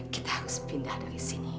kita harus pindah dari sini